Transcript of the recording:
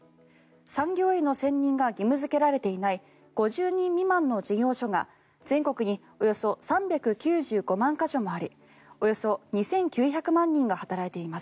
産業医の選任が義務付けられていない５０人未満の事業所が全国におよそ３９５万か所もありおよそ２９００万人が働いています。